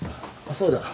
そうだ。